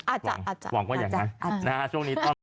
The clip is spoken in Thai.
อาจจะอาจจะหวังว่าอย่างนั้น